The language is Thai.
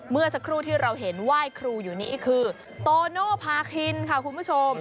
เมื่อสักครู่ที่เราเห็นไหว้ครูอยู่นี่คือโตโน่พาคินค่ะคุณผู้ชม